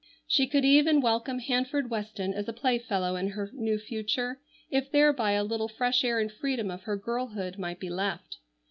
She could even welcome Hanford Weston as a playfellow in her new future, if thereby a little fresh air and freedom of her girlhood might be left.